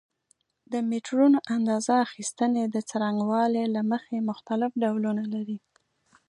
د میټرونو اندازه اخیستنې د څرنګوالي له مخې مختلف ډولونه لري.